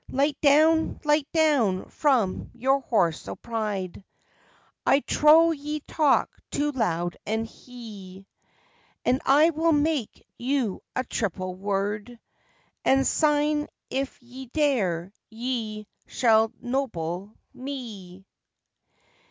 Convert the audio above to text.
"Light down, light down from your horse o' pride, I trow ye talk too loud and hie, And I will make you a triple word, And syne, if ye dare, ye shall 'noble me."